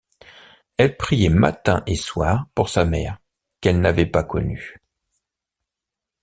Elle priait matin et soir pour sa mère qu’elle n’avait pas connue.